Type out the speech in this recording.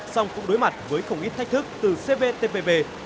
song cũng đối mặt với không ít thách thức từ cptpp